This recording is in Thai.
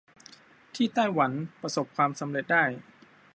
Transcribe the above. ที่ไต้หวันประสบความสำเร็จได้